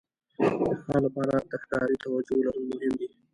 د ښکار لپاره د ښکاري توجو لرل مهم دي.